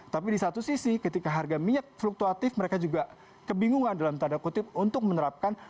tapi di satu sisi ketika harga minyak fluktuatif mereka juga kebingungan dalam tanda kutip untuk menerapkan